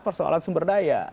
persoalan sumber daya